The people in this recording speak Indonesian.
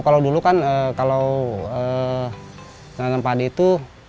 kalau dulu kan kalau nanam padi itu